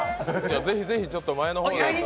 ぜひぜひ前の方に。